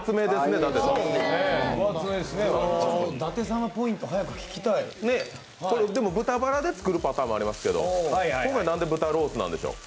舘様ポイント、早く聞きたい豚バラで作るパターンありますけど、今回なぜ豚ロースなんでしょう？